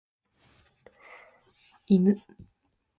In.